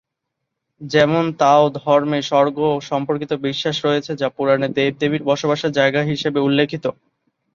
যেমন, তাও ধর্মে স্বর্গ সম্পর্কিত বিশ্বাস রয়েছে, যা পুরাণে দেব-দেবীদের বসবাসের জায়গা হিসেবে উল্লেখিত।